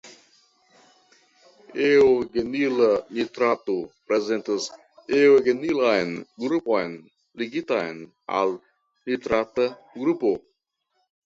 Eŭgenila nitrato prezentas eŭgenilan grupon ligitan al nitrata grupo.